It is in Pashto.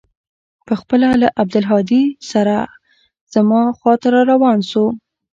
پخپله له عبدالهادي سره زما خوا ته راروان سو.